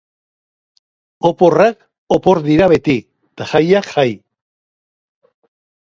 Oporrak opor dira beti, eta jaiak jai!